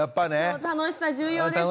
楽しさ重要ですね。